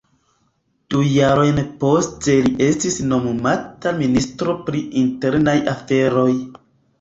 Du jarojn poste li estis nomumata Ministro pri Internaj Aferoj.